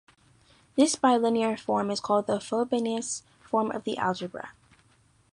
This bilinear form is called the Frobenius form of the algebra.